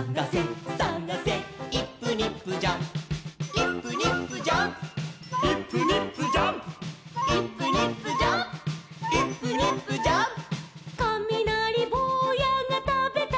「どこだどこだイップニップジャンプ」「イップニップジャンプイップニップジャンプ」「イップニップジャンプイップニップジャンプ」